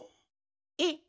えっ？